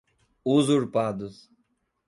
usurpados